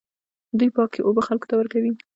دوی پاکې اوبه خلکو ته ورکوي.